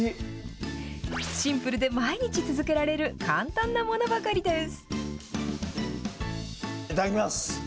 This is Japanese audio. シンプルで毎日続けられる簡単なものばかりです。